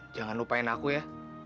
jangan lupain aku ya